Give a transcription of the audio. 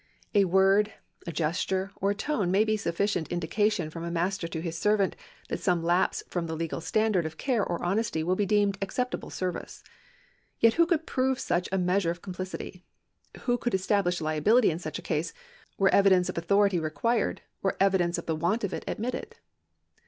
A word, a gesture, or a tone may be a sufficient indication from a master to his servant that some lapse from the legal standard of care or honesty will be deemed acceptable service. Yet who could prove such a measure of complicity ? Who could establish liability in such a case, were evidence of authority required, or evidence of the want of it admitted